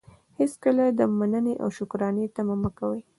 هېڅکله د منني او شکرانې طمعه مه کوئ!